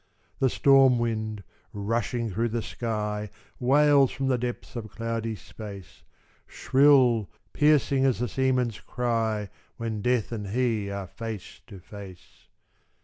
The storm wind, rushing through the sky, Wails from the depths of cloudy space; Shrill, piercing as the seaman's cry When death and he are face to face.